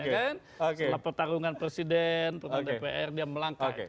setelah pertarungan presiden pdipr dia melangkah